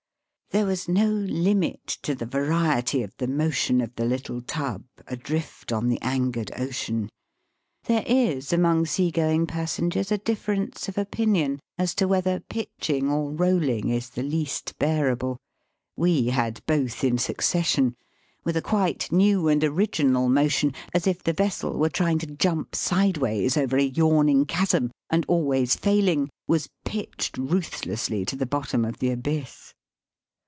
There was no Kmit to the variety of the motion of the little tub adrift on the angered ocean. There is among sea going passengers a difference of opinion as to whether pitching or rolling is the least bearable. We had both in succession, with a quite new and original motion, as if the vessel were trying to jump sideways over a yawning chasm, and, always failing, was pitched ruthlessly to the bottom of the abyss.